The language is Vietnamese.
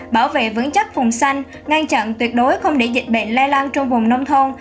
bảo vệ vững chắc phùng xanh ngăn chặn tuyệt đối không để dịch bệnh lây lan trong vùng nông thôn